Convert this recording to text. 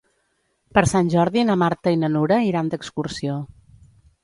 Per Sant Jordi na Marta i na Nura iran d'excursió.